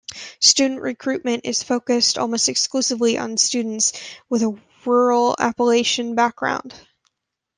Student recruitment is focused almost exclusively on students with a rural Appalachian background.